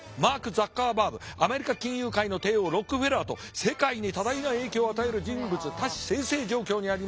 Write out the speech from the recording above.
アメリカ金融界の帝王ロックフェラーと世界に多大な影響を与える人物多士済々状況にあります。